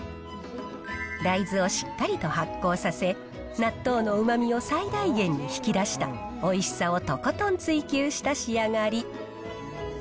大豆をしっかりと発酵させ、納豆のうまみを最大限に引き出した、おいしさをとことん追求した仕上がり。